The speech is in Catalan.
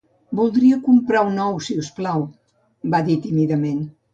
"Voldria comprar un ou, si us plau", va dir tímidament.